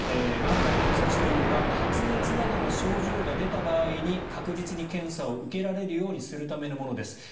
今回のこの措置というのは発熱などの症状が出た場合に確実に検査を受けられるようにするためのものです。